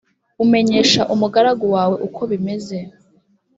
umenyesha umugaragu wawe uko bimeze